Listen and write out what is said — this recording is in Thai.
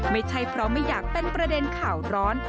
ไม่ใช่เพราะไม่อยากเป็นประเด็นข่าวร้อน